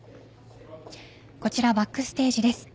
こちら、バックステージです。